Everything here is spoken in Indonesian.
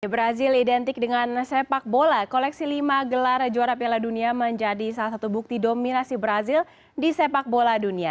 brazil identik dengan sepak bola koleksi lima gelar juara piala dunia menjadi salah satu bukti dominasi brazil di sepak bola dunia